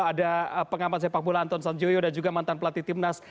ada pengamatan sepakbola anton sanjoyo dan juga mantan pelatih timnas